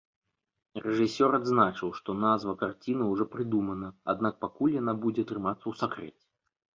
Рэжысёр адзначыў, што назва карціны ўжо прыдумана, аднак пакуль яна будзе трымацца ў сакрэце.